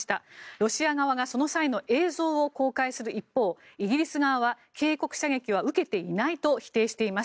ロシア側がその映像を公開する一方イギリス側は警告射撃は受けていないと否定しています。